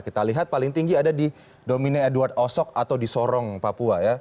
kita lihat paling tinggi ada di domine edward osok atau di sorong papua ya